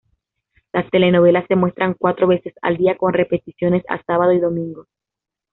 Las telenovelas se muestran cuatro veces al día, con repeticiones a Sábado y Domingo.